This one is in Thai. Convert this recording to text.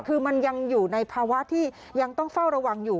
คือมันยังอยู่ในภาวะที่ยังต้องเฝ้าระวังอยู่